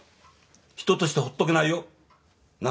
人としてほっとけないよ。なぁ